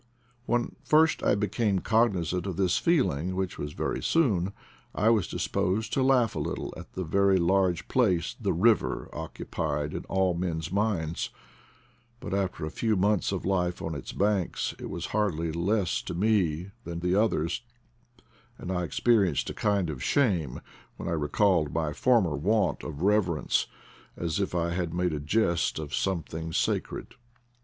When first I became cognizant of this feeling, which was very soon, I was disposed to \ laugh a little at the very large place the river ' occupied in all men's minds; but after a few months of life on its banks it was hardly less to* me than to others, and I experienced a kind of shame when I recalled my former want of rever ence, as if I had made a jest of something sacred.